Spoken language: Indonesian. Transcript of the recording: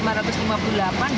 kru pun juga kita siapkan